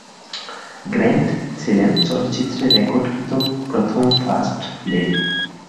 Grant ছিলেন চলচ্চিত্রে রেকর্ডকৃত প্রথম ফার্স্ট লেডি।